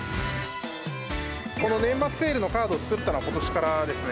この年末セールのカードを作ったのは、ことしからですね。